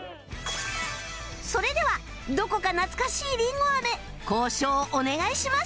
それではどこか懐かしいりんご飴交渉お願いします